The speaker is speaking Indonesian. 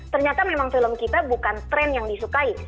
ternyata memang film kita bukan tren yang disukai